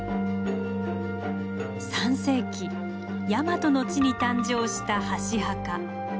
３世紀ヤマトの地に誕生した箸墓。